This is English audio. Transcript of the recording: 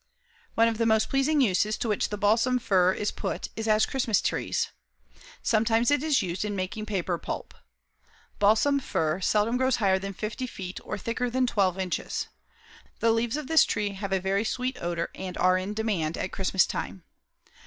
One of the most pleasing uses to which the balsam fir is put is as Christmas trees. Sometimes it is used in making paper pulp. The balsam fir seldom grows higher than 50 feet or thicker than 12 inches. The leaves of this tree have a very sweet odor and are in demand at Christmas time.